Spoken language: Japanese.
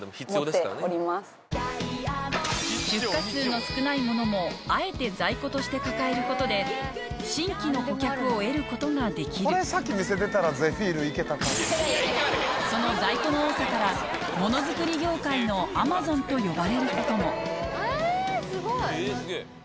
出荷数の少ないものもあえて在庫として抱えることで新規の顧客を得ることができるその在庫の多さからと呼ばれることもえすごい！